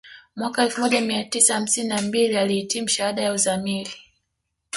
Mwaka elfu moja mia tisa hamsini na mbili alihitimu shahada ya uzamili